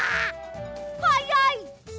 はやい！